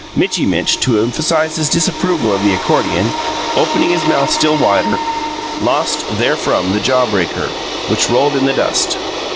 Mitchy Mitch, to emphasize his disapproval of the accordion, opening his mouth still wider, lost therefrom the jaw breaker, which rolled in the dust.